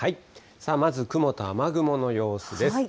まず雲と雨雲の様子です。